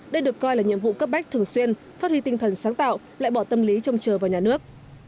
đây được coi là nhiệm vụ cấp bách thường xuyên phát huy tinh thần sáng tạo lại bỏ tâm lý trông chờ vào nhà nước